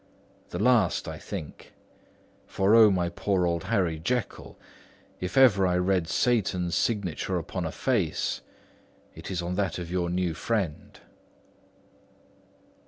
The last, I think; for, O my poor old Harry Jekyll, if ever I read Satan's signature upon a face, it is on that of your new friend."